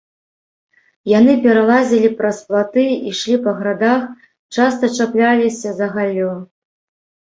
Яны пералазілі праз платы, ішлі па градах, часта чапляліся за галлё.